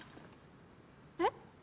えっ？